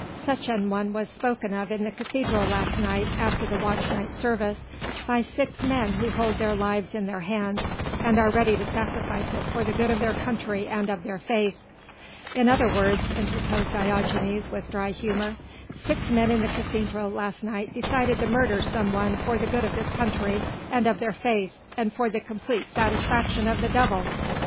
Such an one was spoken of in the cathedral last night after watch night service by six men who hold their lives in their hands and are ready to sacrifice it for the good of their country and of their faith." "In other words," interposed Diogenes with dry humour, "six men in the cathedral last night decided to murder some one for the good of this country and of their faith and for the complete satisfaction of the devil."